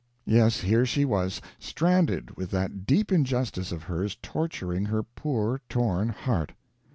Yes, here she was, stranded with that deep injustice of hers torturing her poor torn heart.